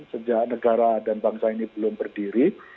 sejak negara dan bangsa ini belum berdiri